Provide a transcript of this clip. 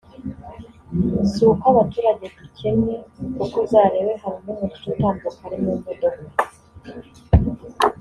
si uko abaturage dukennye kuko uzarebe hari n’umukire utambuka ari mu modoka